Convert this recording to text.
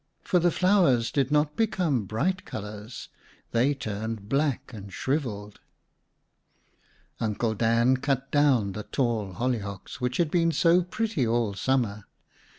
For the flowers did not become bright colors; they turned black and shriveled. Uncle Dan cut down the tall hollyhocks which had been so pretty all summer.